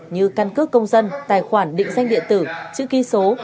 như căn cước công dân tài khoản định danh điện tử chữ ký số